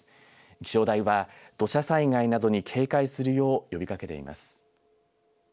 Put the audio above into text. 気象台は土砂災害などに警戒するよう呼びかけています。